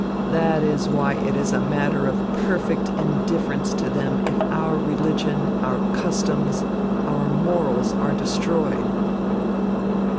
"That is why it is a matter of perfect indifference to them if our religion, our customs, our morals are destroyed.